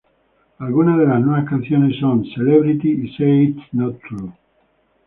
Algunas de las nuevas canciones son "C-lebrity" y "Say it's not true".